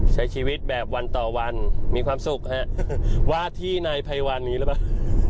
ใช้ชีวิตแบบวันต่อวันมีความสุขฮะว่าที่นายภัยวันนี้หรือเปล่า